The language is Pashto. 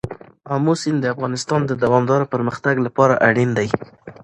آمو سیند د افغانستان د دوامداره پرمختګ لپاره اړین دي.